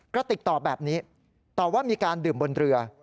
กระติกตอบแบบนี้ตอบว่ามีการดื่มบนเรือ